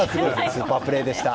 スーパープレーでした。